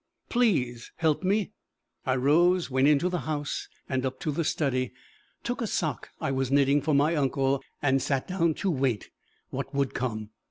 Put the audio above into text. Please, help me!" I rose, went into the house, and up to the study, took a sock I was knitting for my uncle, and sat down to wait what would come.